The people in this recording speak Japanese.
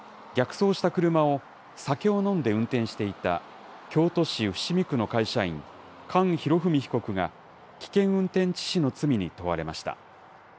逆走した車を酒を飲んで運転していた京都市伏見区の会社員、菅宏史被告が、危険運転致死の罪に問われました。